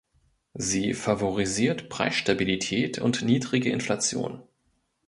Sie favorisiert Preisstabilität und niedrige Inflation.